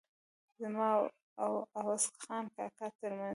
زما او عوض خان کاکا ترمنځ.